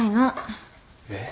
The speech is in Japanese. えっ？